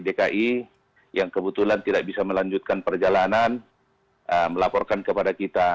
dki yang kebetulan tidak bisa melanjutkan perjalanan melaporkan kepada kita